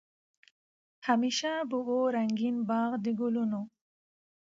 همېشه به وو رنګین باغ د ګلونو